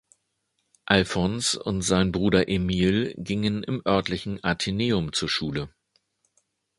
Alphonse und sein Bruder Emile gingen im örtlichen Athenäum zur Schule.